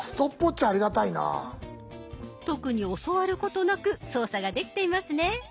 特に教わることなく操作ができていますね。